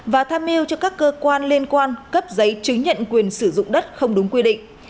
và tham mưu cho các cơ quan liên quan cấp giấy chứng nhận quyền sử dụng đất không đúng quy định